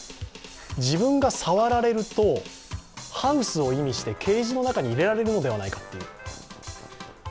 自分が触られるとハウスを意味してケージの中に入れられるのではないかという。